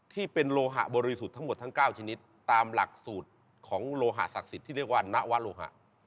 ที่เป็นโลหะบริสุทธิ์ทั้งหมดทั้ง๙ชนิดตามหลักสูตรของโลหะศักดิ์สิทธิ์ที่เรียกว่านวะโลหะ